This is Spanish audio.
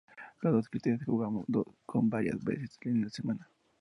Los dos escritores jugaban go varias veces a la semana.